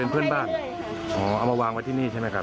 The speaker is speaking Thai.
เพื่อนบ้านอ๋อเอามาวางไว้ที่นี่ใช่ไหมครับ